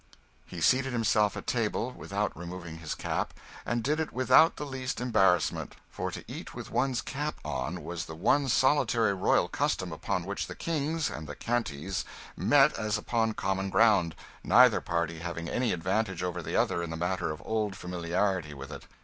He seated himself at table, without removing his cap; and did it without the least embarrassment; for to eat with one's cap on was the one solitary royal custom upon which the kings and the Cantys met upon common ground, neither party having any advantage over the other in the matter of old familiarity with it.